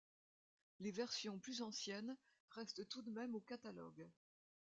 Les versions plus anciennes restent tout de même au catalogue.